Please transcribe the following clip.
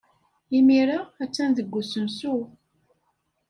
Imir-a, attan deg usensu.